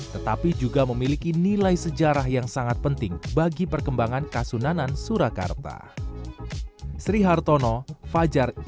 tetapi juga memiliki nilai sejarah yang sangat penting bagi perkembangan kasunanan surakarta